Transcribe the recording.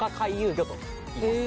といいます。